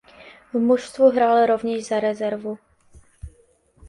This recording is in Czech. V mužstvu hrál rovněž za rezervu.